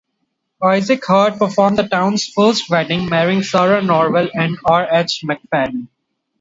Isaac Hart performed the town's first wedding, marrying Sarah Norvell and R. H. McFadden.